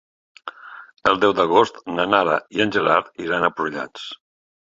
El deu d'agost na Nara i en Gerard iran a Prullans.